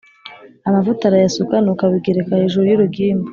amavuta arayasuka Nuko abigereka hejuru y urugimbu